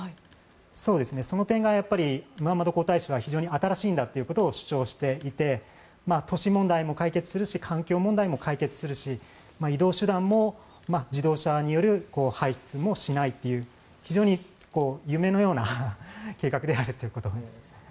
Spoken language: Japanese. その点がムハンマド皇太子は非常に新しいんだということを主張していて都市問題も解決するし環境問題も解決するし移動手段も自動車による排出もしないという非常に夢のような計画であるということです。